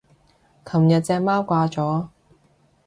琴日隻貓掛咗